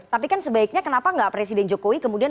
tapi kan sebaiknya kenapa nggak presiden jokowi kemudian